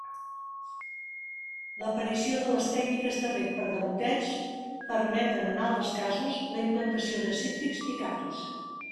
L'aparició de les tècniques de reg per degoteig permeten, en altres casos, la implantació de cítrics i caquis.